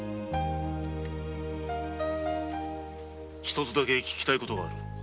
一つだけ聞きたい事がある。